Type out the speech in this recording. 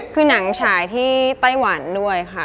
คือหนังฉายที่ไต้หวันด้วยค่ะ